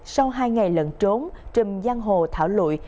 sau hai ngày lẩn trốn trùm giang hồ thảo lụi